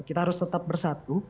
kita harus tetap bersatu